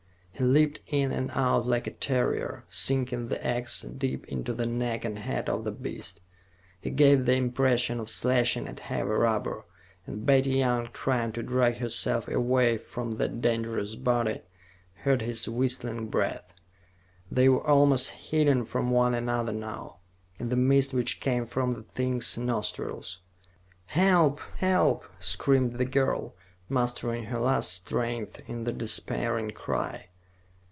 He leaped in and out like a terrier, sinking the ax deep into the neck and head of the beast. He gave the impression of slashing at heavy rubber, and Betty Young, trying to drag herself away from that dangerous body, heard his whistling breath. They were almost hidden from one another now, in the mist which came from the thing's nostrils. "Help, help!" screamed the girl, mustering her last strength in the despairing cry.